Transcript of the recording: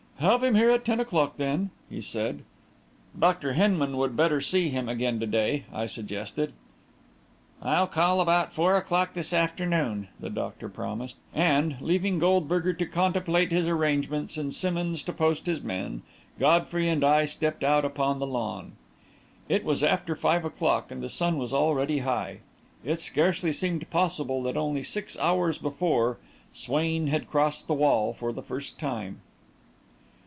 "Have him here at ten o'clock, then," he said. "Dr. Hinman would better see him again to day," I suggested. "I'll call about four o'clock this afternoon," the doctor promised; and, leaving Goldberger to complete his arrangements and Simmonds to post his men, Godfrey and I stepped out upon the lawn. It was after five o'clock and the sun was already high. It scarcely seemed possible that, only six hours before, Swain had crossed the wall for the first time!